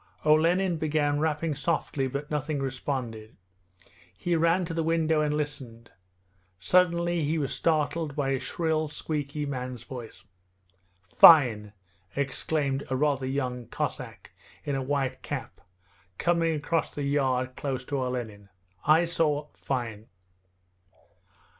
Olenin began rapping softly but nothing responded. He ran to the window and listened. Suddenly he was startled by a shrill, squeaky man's voice. 'Fine!' exclaimed a rather small young Cossack in a white cap, coming across the yard close to Olenin. 'I saw ... fine!'